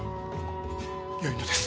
よいのです。